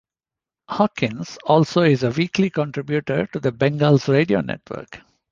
Hawkins also is a weekly contributor to the Bengals Radio Network.